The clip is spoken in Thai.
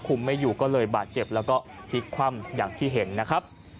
ไม่อยู่ก็เลยบาดเจ็บแล้วก็พลิกคว่ำอย่างที่เห็นนะครับ